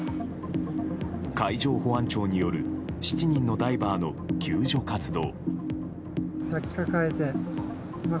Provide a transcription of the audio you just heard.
海上保安庁による７人のダイバーの救助活動。